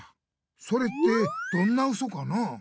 それってどんなウソかな？